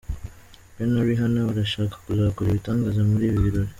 We na Rihanna barashaka kuzakora ibitangaza muri ibi birori.